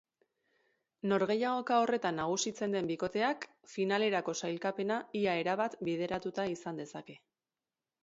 Norgehiagoka horretan nagusitzen den bikoteak finalerako sailkapena ia erabat bideratuta izan dezake.